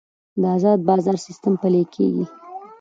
د ازاد بازار سیستم پلی کیږي